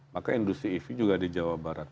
maka industri ev juga di jawa barat